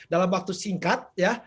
dalam waktu singkat